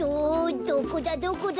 どこだどこだ！